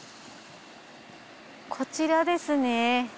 こちらですね。